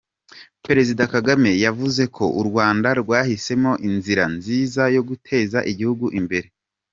Perezida Kagame yavuze ko u Rwanda rwahisemo inzira nziza yo guteza igihugu imbere.